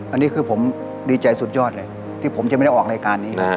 อันนี้คือผมดีใจสุดยอดเลยที่ผมจะไม่ได้ออกรายการนี้